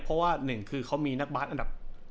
เพราะว่าหนึ่งคือเขามีนักบาสอันดับ